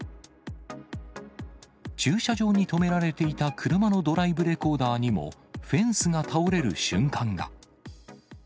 駐車場に止められていた車のドライブレコーダーにもフェンスが倒れる瞬間が。